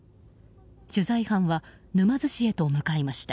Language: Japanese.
取材班は沼津市へと向かいました。